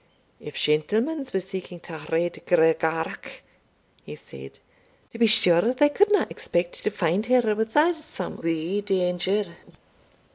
"If shentlemans were seeking ta Red Gregarach," he said, "to be sure they couldna expect to find her without some wee danger."